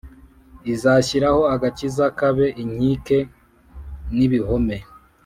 Izashyiraho agakiza kabe inkike n ibihome